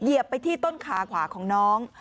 ไปที่ต้นขาขวาของน้อง